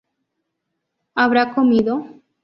¿Habrá comido?